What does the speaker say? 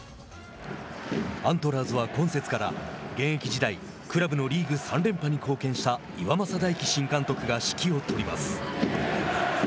アントラーズは今節からクラブのリーグ３連覇に貢献した岩政大樹新監督が指揮を取ります。